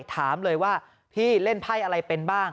เพราะว่าพี่เล่นไพ่าไรเป็นบ้าง